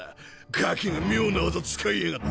ガキが妙な技使いやがって。